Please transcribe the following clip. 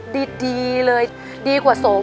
ดีเลยดีกว่าสม